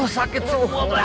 sakit semua mak